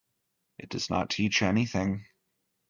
It does not teach anything.